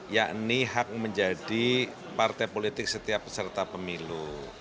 yakni hak menjadi partai politik setiap peserta pemilu